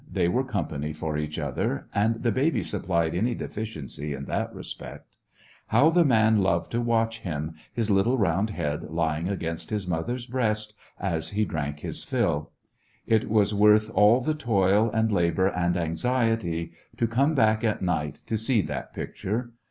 They were company for each other, and the baby supplied any deficiency in that respect. How the man loved to watch him, his little round head lying against his mother's breast as A Christmas When he drank his fill. It was worth all the toil and labor and anxiety to come back at night to see that picture.